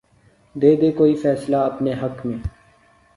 دے دے کوئی فیصلہ اپنے حق میں